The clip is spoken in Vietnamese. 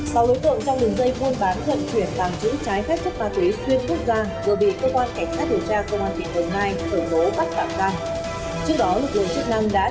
sau đối tượng trong đường dây phôn bán thuận chuyển bằng chữ trái phép chất ma túy xuyên quốc gia vừa bị cơ quan cảnh sát điều tra công an tỉnh hồn mai khởi tố bắt tạm giam